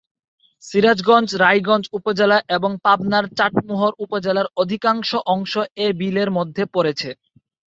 সিরাজগঞ্জ রায়গঞ্জ উপজেলা এবং পাবনার চাটমোহর উপজেলার অধিকাংশ অংশ এ বিলের মধ্যে পড়েছে।